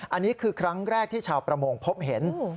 อันนี้คือครั้งแรกที่ชาวประมงพบเห็น